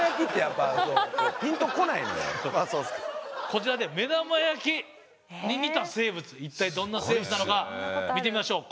こちらね目玉焼きに似た生物一体どんな生物なのか見てみましょう。